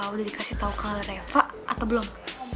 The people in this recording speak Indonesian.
udah dikasih tau ke reva atau belum